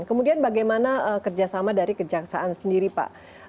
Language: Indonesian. kemudian bagaimana kerjasama dari kejaksaan sendiri pak